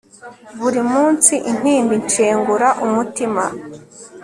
buri munsi intimba inshengura umutima